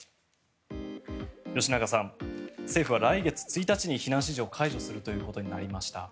吉永さん、政府は来月１日に避難指示を解除するということになりました。